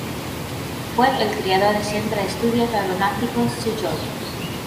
Fue el creador del centro de estudios aeronáuticos Sujói.